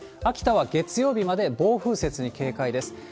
秋田は月曜日まで暴風雪に警戒です。